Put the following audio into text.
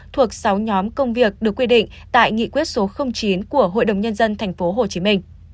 thuộc sáu nhóm công việc được quy định tại nghị quyết số chín của hội đồng nhân dân tp hcm